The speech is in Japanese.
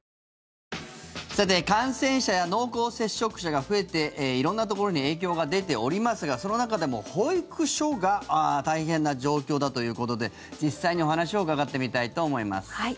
さて、感染者や濃厚接触者が増えて色んなところに影響が出ておりますがその中でも保育所が大変な状況だということで実際にお話を伺ってみたいと思います。